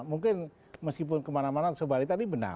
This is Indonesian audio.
mungkin meskipun kemana mana sobari tadi benar